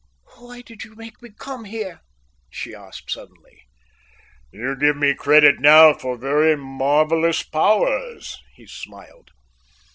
"Why did you make me come here?" she asked suddenly, "You give me credit now for very marvellous powers," he smiled.